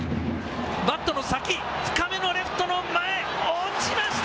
バットの先、深めのレフトの前、落ちました！